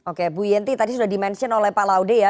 oke bu yenty tadi sudah dimention oleh pak laude ya